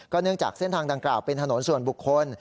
เนื่องจากเส้นทางดังกล่าวเป็นถนนส่วนบุคคล